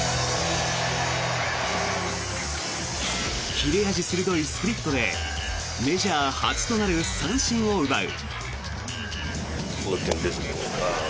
切れ味鋭いスプリットでメジャー初となる三振を奪う。